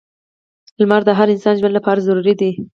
• لمر د هر انسان ژوند لپاره ضروری دی.